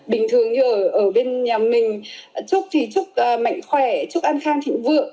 bình thường như ở bên nhà mình chúc thì chúc mạnh khỏe chúc an khang thịnh vượng